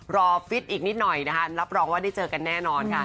ฟิตอีกนิดหน่อยนะคะรับรองว่าได้เจอกันแน่นอนค่ะ